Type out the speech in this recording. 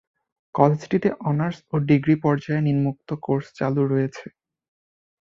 কলেজটিতে honours ও degree পর্যায়ে নিম্নোক্ত কোর্স চালু রয়েছে